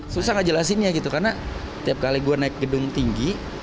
susah nggak jelasinnya gitu karena tiap kali gue naik gedung tinggi